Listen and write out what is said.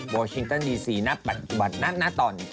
บอร์ชิงตันดี๔หน้าปัดหน้าตอน